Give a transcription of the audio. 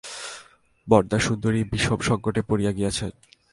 বরদাসুন্দরী বিষম সংকটে পড়িয়া গিয়াছেন।